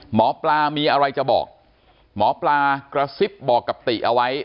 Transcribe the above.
หมอปลามีอะไรจะบอกหมอปลากระซิบบอกกับติเอาไว้